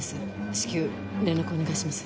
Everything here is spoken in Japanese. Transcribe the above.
至急連絡お願いします。